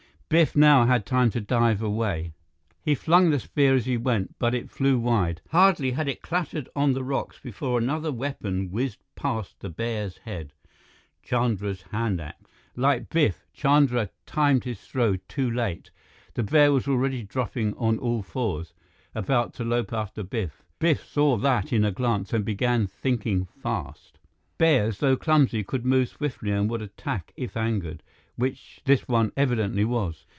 Biff now had time to dive away. He flung the spear as he went, but it flew wide. Hardly had it clattered on the rocks before another weapon whizzed past the bear's head: Chandra's hand axe. Like Biff, Chandra timed his throw too late. The bear was already dropping on all fours, about to lope after Biff. Biff saw that in a glance and began thinking fast. Bears, though clumsy, could move swiftly and would attack if angered, which this one evidently was.